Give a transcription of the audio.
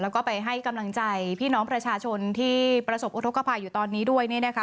แล้วก็ไปให้กำลังใจพี่น้องประชาชนที่ประสบอุทธกภัยอยู่ตอนนี้ด้วย